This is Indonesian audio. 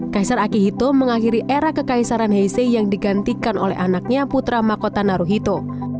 kaisar akihito mengakhiri era kekaisaran heise yang digantikan oleh anaknya putra makota naruhito